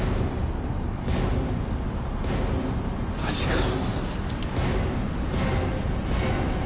マジかよ。